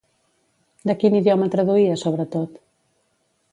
De quin idioma traduïa sobretot?